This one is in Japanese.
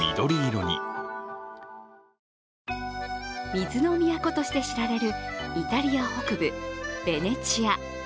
水の都として知られるイタリア北部ベネチア。